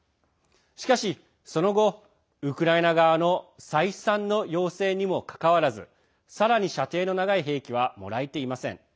しかし、その後、ウクライナ側の再三の要請にもかかわらずさらに射程の長い兵器はもらえていません。